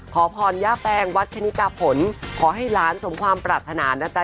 ขอพรย่าแฟงวัดคณิกาผลขอให้หลานสมความปรารถนานะจ๊